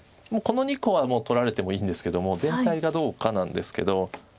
もうこの２個は取られてもいいんですけども全体がどうかなんですけど。